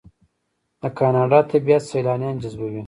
د کاناډا طبیعت سیلانیان جذبوي.